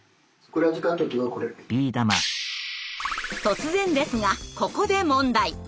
突然ですがここで問題。